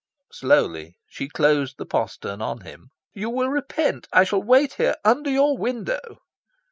Slowly she closed the postern on him. "You will repent. I shall wait here, under your window..."